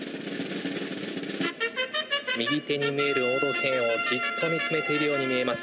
右手に見える大時計をじっと見つめているように見えます